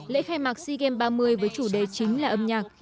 lễ khai mạc sea games ba mươi với chủ đề chính là âm nhạc